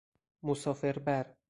مسافر بر